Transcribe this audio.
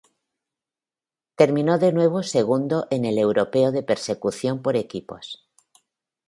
Terminó de nuevo segundo en el europeo de persecución por equipos.